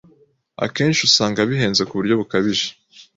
akenshi usanga bihenze ku buryo bukabije